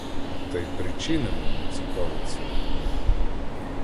Та й причинами не цікавиться ніколи.